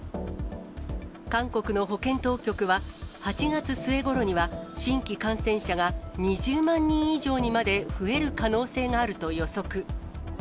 韓国の保健当局は、８月末ごろには、新規感染者が２０万人以上にまで、増える可能性があると予測。